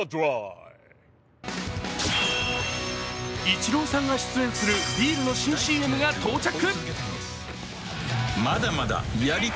イチローさんが出演するビールの新ＣＭが到着。